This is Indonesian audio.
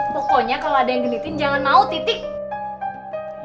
pokoknya kalau ada yang genitin jangan mau titik